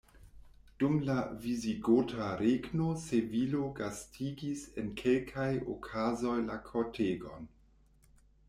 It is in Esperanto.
Dum la visigota regno Sevilo gastigis en kelkaj okazoj la kortegon.